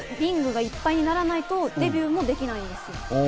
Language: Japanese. ＲＩＮＧがいっぱいにならないとデビューもできないんです。